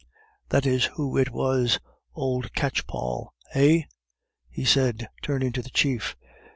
That is who it was, old catchpoll, eh?" he said, turning to the chief.